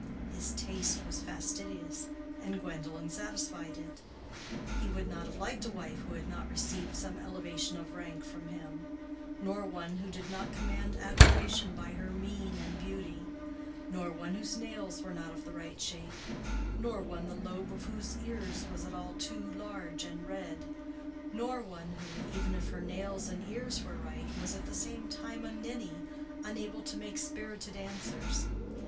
His taste was fastidious, and Gwendolen satisfied it: he would not have liked a wife who had not received some elevation of rank from him; nor one who did not command admiration by her mien and beauty; nor one whose nails were not of the right shape; nor one the lobe of whose ear was at all too large and red; nor one who, even if her nails and ears were right, was at the same time a ninny, unable to make spirited answers.